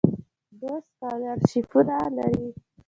دوی سکالرشیپونه لري.